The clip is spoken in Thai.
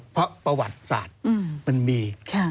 เพราะประวัติศาสตร์มันมี